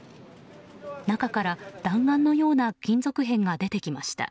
中から弾丸のような金属片が出てきました。